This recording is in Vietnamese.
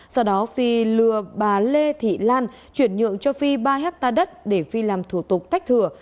sau đó phi lừa bà lê thị lan chuyển nhượng cho phi ba hectare đất để phi làm thủ tục tách thừa